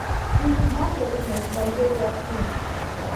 We should not recognize Bulgaria's name.